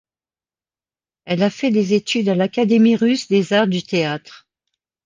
Elle a fait des études à l'Académie russe des arts du théâtre.